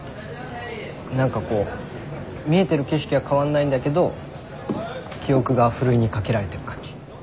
何かこう見えてる景色は変わんないんだけど記憶がふるいにかけられてる感じ？